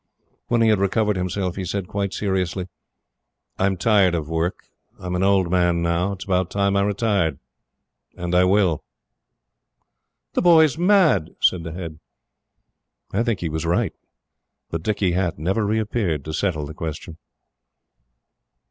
When he had recovered himself he said, quite seriously: "I'm tired of work. I'm an old man now. It's about time I retired. And I will." "The boy's mad!" said the Head. I think he was right; but Dicky Hatt never reappeared to settle the question.